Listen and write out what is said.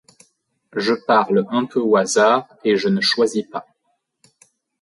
Je parle un peu au hasard, et je ne choisis pas.